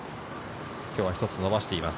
今日は一つ伸ばしています。